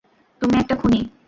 তুমি একটা খুনি!